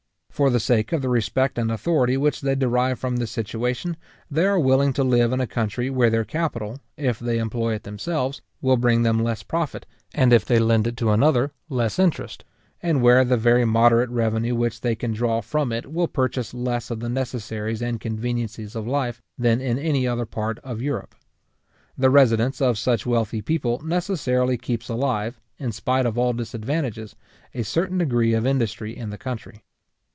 For the sake of the respect and authority which they derive from this situation, they are willing to live in a country where their capital, if they employ it themselves, will bring them less profit, and if they lend it to another, less interest; and where the very moderate revenue which they can draw from it will purchase less of the necessaries and conveniencies of life than in any other part of Europe. The residence of such wealthy people necessarily keeps alive, in spite of all disadvantages, a certain degree of industry in the country.